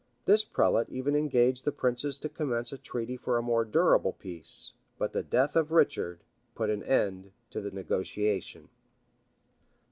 [] This prelate even engaged the princes to commence a treaty for a more durable peace; but the death of Richard put an end to the negotiation.